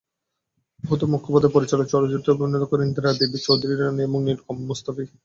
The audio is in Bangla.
ভূদেব মুখোপাধ্যায় পরিচালিত চলচ্চিত্রটিতে অভিনয় করেন ইন্দিরা দেবী চৌধুরানী এবং নীলকমল মুস্তোফী।